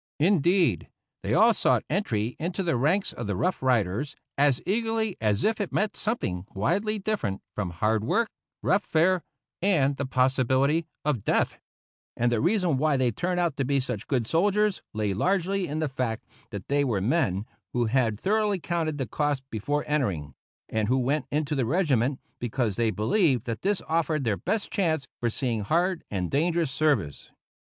Indeed, they all sought entry into the ranks of the Rough Riders as eagerly as if it meant something widely different from hard work, rough fare, and the possibility of death; and the reason why they turned out to be such good soldiers lay largely in the fact that they were men who had thoroughly counted the cost before entering, and who went into the regiment because they believed that this offered their best chance for seeing hard and dangerous service.